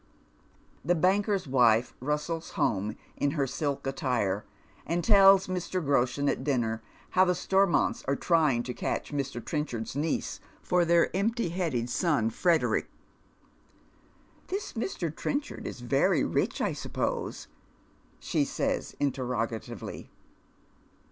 Tlie banker's wife rustles home in her silk attire, and tells Mr. Groshen at dinner how the Stormonts are trying to catch Mi'. Trencliavd's niece for their emptj^ hcaded son Frederick. " This Mr. Trencliard is very rich, I suppose ?" she says, interrogativ(>ly.